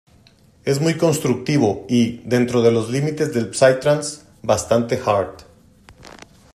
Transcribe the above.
Es muy constructivo y, dentro de los límites del psytrance, bastante "hard".